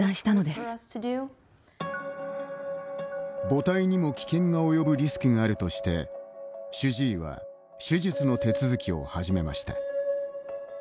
母体にも危険が及ぶリスクがあるとして主治医は手術の手続きを始めました。